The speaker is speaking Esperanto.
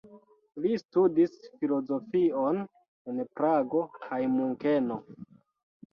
Li studis filozofion en Prago kaj Munkeno.